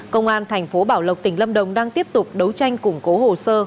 công an tp bảo lộc tỉnh lâm đồng đang tiếp tục đấu tranh củng cố hồ sơ